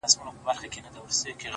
هيواد مي هم په ياد دى ـ